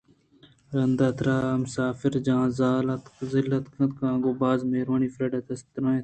رند تر امسافر جاہ ءِزال اتک کہ آ گوں باز مہروانی ءَ فریڈا ءَدست ءُدرٛوہ بوت